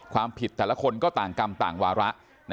ความผิดแต่ละคนก็ต่างกรรมต่างวาระ